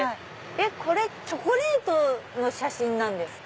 これチョコレートの写真ですか？